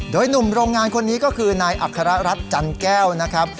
โดยหนุ่มโรงงานคนนี้ก็คือนายอัครรัฐจันแก้วนะครับ